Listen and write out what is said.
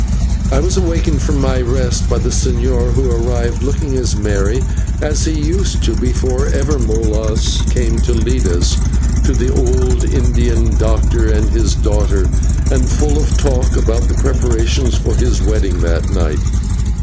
I was awakened from my rest by the señor, who arrived, looking merry as he used to be before ever Molas came to lead us to the old Indian doctor and his daughter, and full of talk about the preparations for his wedding that night.